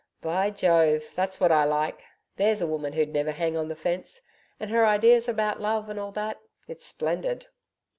'By Jove, that's what I like. There's a woman who'd never hang on the fence. And her ideas about love and all that: it's splendid.'